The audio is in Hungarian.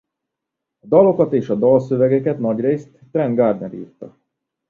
A dalokat és a dalszövegeket nagyrészt Trent Gardner írta.